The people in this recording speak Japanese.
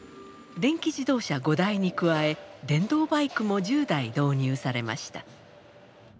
電気自動車５台に加え電動バイクも１０台導入されました。